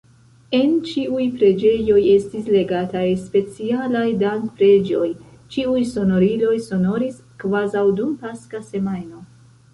En ĉiuj preĝejoj estis legataj specialaj dankpreĝoj, ĉiuj sonoriloj sonoris kvazaŭ dum Paska semajno.